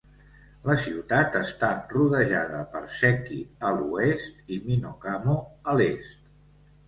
La ciutat està rodejada per Seki a l'oest i Minokamo a l'est.